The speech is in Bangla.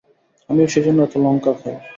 আমিও সেইজন্য এত লঙ্কা খাই।